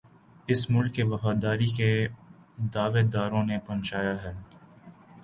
اس ملک کے وفاداری کے دعوے داروں نے پہنچایا ہے